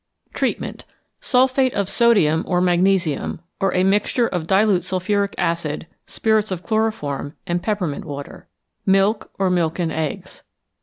Treatment. Sulphate of sodium or magnesium, or a mixture of dilute sulphuric acid, spirits of chloroform, and peppermint water. Milk, or milk and eggs.